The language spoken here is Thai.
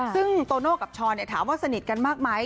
ซึ่งโตโน่กับช้อนถามว่าสนิทกันมากไหม